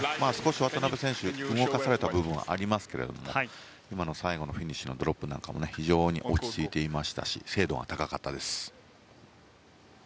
渡辺選手、動かされた部分はありましたが今の最後のフィニッシュのドロップなんかも非常に落ち着いていましたし精度が高かったです。